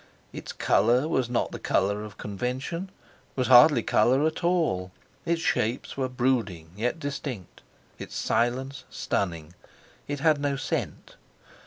Its colour was not the colour of convention, was hardly colour at all; its shapes were brooding yet distinct; its silence stunning; it had no scent.